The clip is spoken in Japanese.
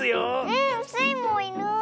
うんスイもいる！